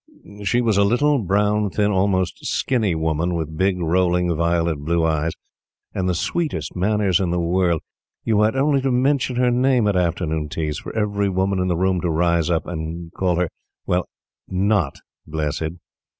She was a little, brown, thin, almost skinny, woman, with big, rolling, violet blue eyes, and the sweetest manners in the world. You had only to mention her name at afternoon teas for every woman in the room to rise up, and call her well NOT blessed.